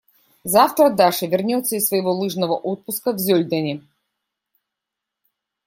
Завтра Даша вернется из своего лыжного отпуска в Зёльдене.